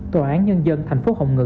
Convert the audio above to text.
tòa án nhân dân thành phố hồng ngự